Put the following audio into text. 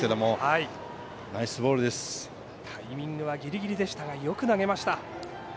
タイミングはギリギリでしたがよく投げました。